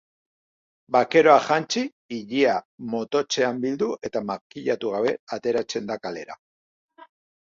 Bakeroak jantzi, ilea mototsean bildu eta makillatu gabe ateratzen da kalera.